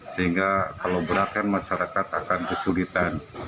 sehingga kalau beratkan masyarakat akan kesulitan